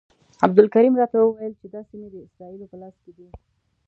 عبدالکریم راته وویل چې دا سیمې د اسرائیلو په لاس کې دي.